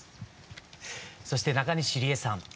そして中西りえさん「花凛々と」。